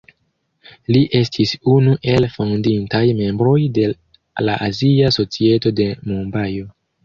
Li estis unu el fondintaj membroj de la Azia Societo de Mumbajo.